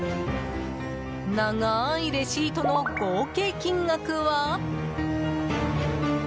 長ーいレシートの合計金額は。